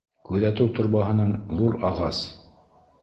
«Күҙәтеү торбаһы»ның ҙур ағас.